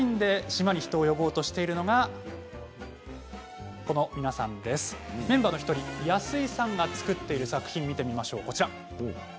島に人を呼ぼうとしているのがメンバーの１人、安井さんが作っている作品を見ます。